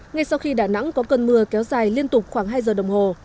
ngay sau khi đà nẵng có cơn mưa kéo dài liên tục khoảng hai giờ đồng hồ